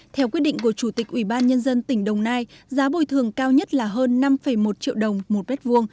theo quyết định của chủ tịch ủy ban nhân dân tỉnh đồng nai giá bồi thường cao nhất là hơn năm một triệu đồng một bét vuông